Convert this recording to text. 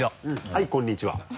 はいこんにちは。